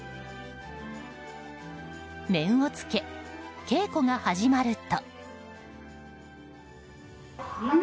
面を着け稽古が始まると。